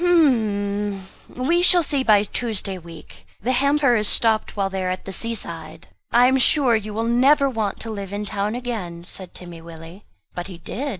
"H'm'm we shall see by Tuesday week; the hamper is stopped while they are at the sea side." "I am sure you will never want to live in town again," said Timmy Willie. But he did.